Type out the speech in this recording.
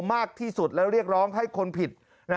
มากที่สุดและเรียกร้องให้คนผิด